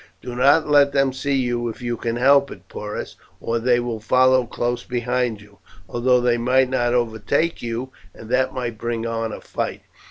"Do not let them see you if you can help it, Porus, or they will follow close behind you, although they might not overtake you, and that might bring on a fight."